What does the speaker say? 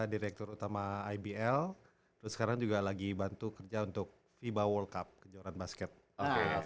direktur utama ibl terus sekarang juga lagi bantu kerja untuk fiba world cup kejuaraan basket oke